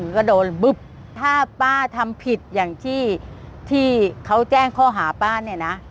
ก็โดนบึ๊บถ้าป้าทำผิดอย่างที่ที่เขาแจ้งข้อหาป้าเนี่ยนะ